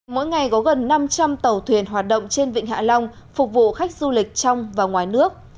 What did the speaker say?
mỗi ngày có gần năm trăm linh tàu thuyền hoạt động trên vịnh hạ long phục vụ khách du lịch trong và ngoài nước